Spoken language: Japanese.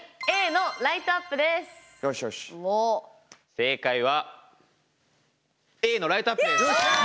正解はＡのライトアップです！